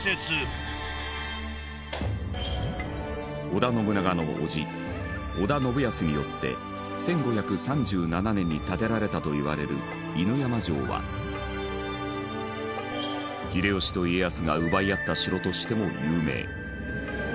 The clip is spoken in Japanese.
織田信長の叔父織田信康によって１５３７年に建てられたといわれる犬山城は秀吉と家康が奪い合った城としても有名。